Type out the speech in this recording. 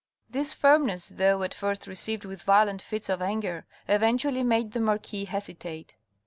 This firmness though at first received with violent fits of anger, eventually made the marquis hesitate.